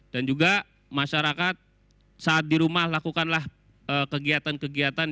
dan juga masyarakat saat di rumah lakukanlah kegiatan kegiatan